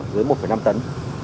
dưới một năm tấn